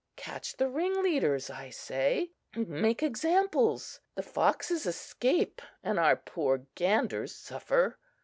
Catch the ringleaders, I say; make examples. The foxes escape, and our poor ganders suffer!"